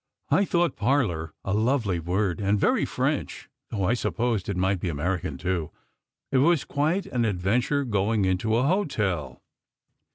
" I thought "parlour" a lovely word, and very French, though I supposed it might be American, too. It was quite an adventure going into an hotel.